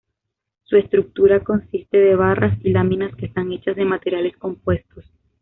Su estructura consiste de barras y láminas que están hechas de materiales compuestos.